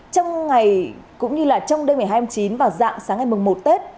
trong ngày cũng như là trong đêm ngày hai mươi chín vào dạng sáng ngày mừng một tết